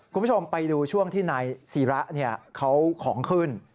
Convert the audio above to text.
คุณผู้ชมไปดูช่วงที่นายศิระเขาของขึ้น